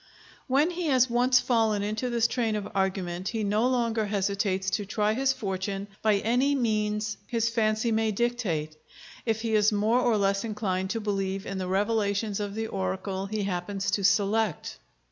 When he has once fallen into this train of argument, he no longer hesitates to try his fortune by any means his fancy may dictate, if he is more or less inclined to believe in the revelations of the oracle he happens to select.